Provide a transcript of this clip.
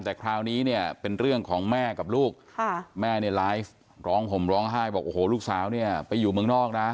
แต่คราวนี้เนี่ยเป็นเรื่องของแม่กับลูกแม่เนี่ยไลฟ์ร้องห่มร้องไห้บอกโอ้โหลูกสาวเนี่ยไปอยู่เมืองนอกนะ